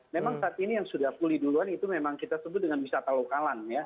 memang saat ini yang sudah pulih duluan itu memang kita sebut dengan wisata lokalan ya